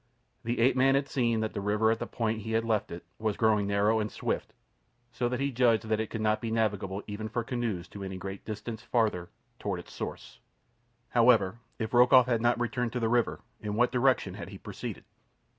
The ape man had seen that the river at the point he had left it was growing narrow and swift, so that he judged that it could not be navigable even for canoes to any great distance farther toward its source. However, if Rokoff had not returned to the river, in what direction had he proceeded?